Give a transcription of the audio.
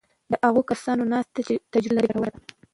د هغو کسانو ناسته چې تجربه لري ګټوره ده.